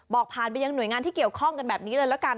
บอกผ่านไปยังหน่วยงานที่เกี่ยวข้องกันแบบนี้เลยละกัน